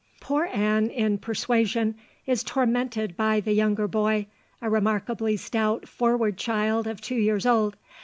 Poor Anne in Persuasion is tormented by "the younger boy, a remarkably stout forward child of two years old